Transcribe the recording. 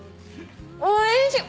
おいしっ！